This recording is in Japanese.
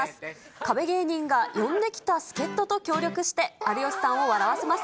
壁芸人が呼んできた助っ人と協力して有吉さんを笑わせます。